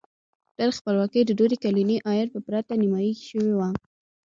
دا د خپلواکۍ د دورې کلني عاید په پرتله نیمايي شوی و.